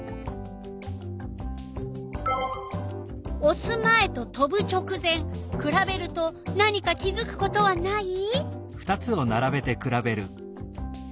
おす前と飛ぶ直前くらべると何か気づくことはない？